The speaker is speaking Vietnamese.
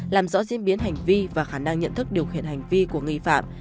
làm rõ diễn biến hành vi và khả năng nhận thức điều khiển hành vi của nghi phạm